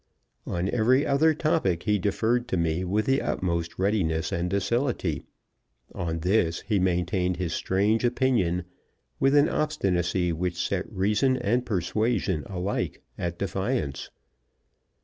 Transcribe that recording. On every other topic he deferred to me with the utmost readiness and docility; on this he maintained his strange opinion with an obstinacy which set reason and persuasion alike at defiance.